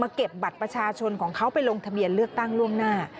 เก็บบัตรประชาชนของเขาไปลงทะเบียนเลือกตั้งล่วงหน้า